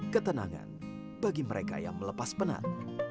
ketenangan bagi mereka yang melepas penat